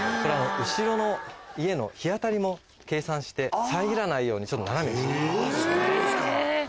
後ろの家の日当たりも計算して遮らないようにちょっと斜めに。